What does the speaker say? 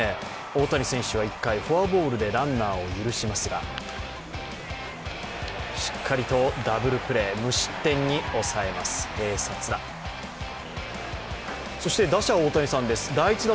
大谷選手は１回、フォアボールでランナーを許しますが、しっかりとダブルプレー、無失点に抑えます、併殺打。